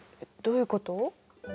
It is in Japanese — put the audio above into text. どういうこと？